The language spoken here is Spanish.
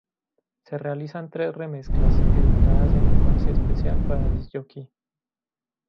Se realizan tres remezclas, editadas en un maxi especial para disc jockey.